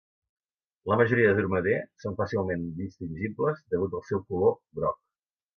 La majoria de Dromader són fàcilment distingibles degut al seu color groc.